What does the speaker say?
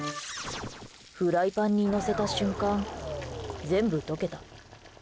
フライパンにのせた瞬間全部溶けた。